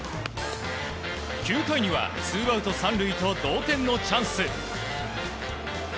９回にはツーアウト３塁と同点のチャンス。